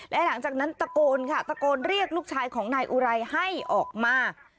และหลังจากนั้นตะโกนค่ะตะโกนเรียกลูกชายของนายอุไรให้ออกมา